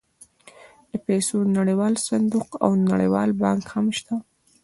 د پیسو نړیوال صندوق او نړیوال بانک هم شته